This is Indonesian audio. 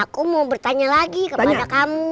aku mau bertanya lagi kepada kami